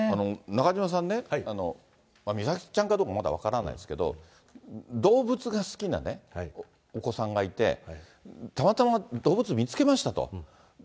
中島さんね、美咲ちゃんかどうかまだ分からないですけど、動物が好きなお子さんがいて、たまたま動物見つけましたと。